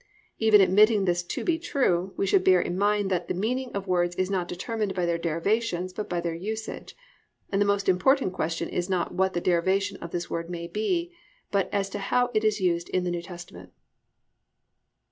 Even admitting this to be true, we should bear in mind that the meaning of words is not determined by their derivation but by their usage, and the most important question is not what the derivation of this word may be, but as to how it is used in the New Testament.